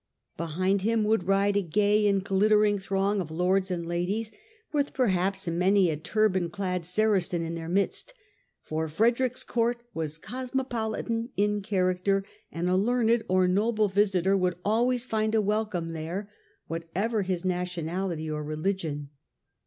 Behind him would ride a gay and glittering throng of lords and ladies, with perhaps many a turban clad Saracen in their midst ; for Frederick's Court was cosmo politan in character and a learned or noble visitor would always find a welcome there, whatever his nationality or religion.